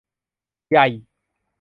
ไย